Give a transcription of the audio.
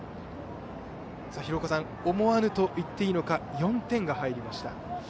廣岡さん、思わぬと言っていいのか４点が入りました。